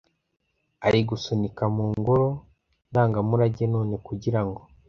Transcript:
Ari gusunika mungoro ndangamurage none kugirango